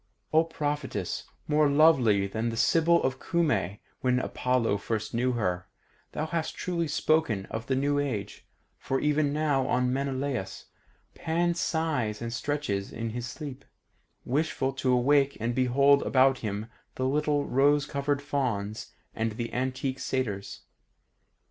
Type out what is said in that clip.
O Prophetess more lovely than the Sybil of Cumae when Apollo first knew her, thou hast truly spoken of the new age, for even now on Maenalus, Pan sighs and stretches in his sleep, wishful to awake and behold about him the little rose crowned Fauns and the antique Satyrs.